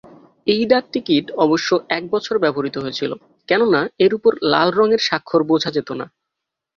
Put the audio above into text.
এই ডাকটিকিট অবশ্য এক বছর ব্যবহৃত হয়েছিল, কেননা এর উপর লাল রঙের স্বাক্ষর বোঝা যেত না।